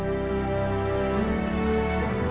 kitab pembahas besser